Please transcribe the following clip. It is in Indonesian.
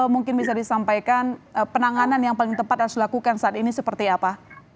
mungkin bisa disampaikan penanganan yang paling tepat harus dilakukan saat ini seperti apa